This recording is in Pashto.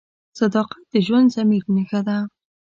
صداقت د ژوندي ضمیر نښه ده.